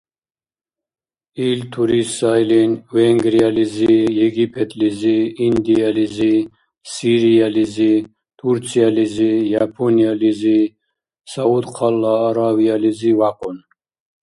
Ил турист сайлин Венгриялизи, Египетлизи, Индиялизи, Сириялизи, Турциялизи, Япониялизи, Саудхъала Аравиялизи вякьун.